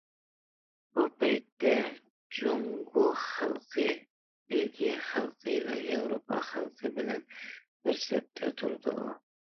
بۇ پەيتتە، جۇڭگو خەلقى بېلگىيە خەلقى ۋە ياۋروپا خەلقى بىلەن بىر سەپتە تۇرىدۇ.